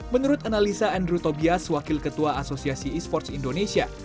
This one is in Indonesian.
menurut analisa andrew tobias wakil ketua asosiasi esports indonesia